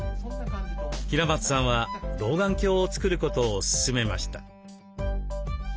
平松さんは老眼鏡を作ることを勧めました。